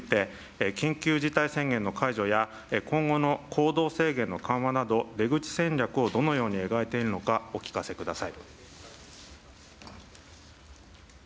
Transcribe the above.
加えて、喫緊のコロナ対策について、緊急事態宣言の解除や、今後の行動制限の緩和など、出口戦略をどのように描いているのかお聞かせください。